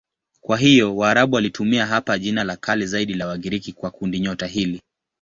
Kwa hiyo Waarabu walitumia hapa jina la kale zaidi la Wagiriki kwa kundinyota hili.